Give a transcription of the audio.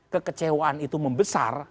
kekecewaan itu membesar